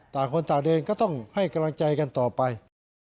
ต่างคนต่างเดินก็ต้องให้กำลังใจกันต่อไป